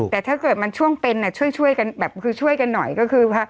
แต่ถ้าเกิดมันช่วงเป็นช่วยกันหน่อยก็คือ